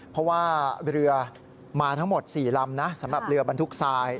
เพราะว่าเรือมาทั้งหมด๔ลำนะสำหรับเรือบรรทุกทราย